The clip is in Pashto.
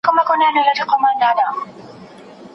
قصابان یې د لېوه له زامو ژغوري